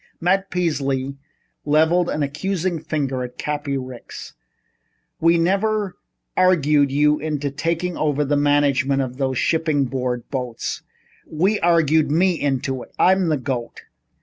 Matt Peasley leveled an accusing finger at Cappy Ricks. "We never argued you into taking over the management of those Shipping Board boats. We argued me into it. I'm the goat.